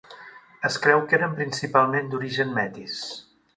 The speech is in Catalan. Es creu que eren principalment d'origen métis.